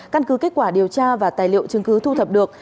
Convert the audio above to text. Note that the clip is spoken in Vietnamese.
căn cứ kết quả điều tra và tài liệu chứng cứ thu thập được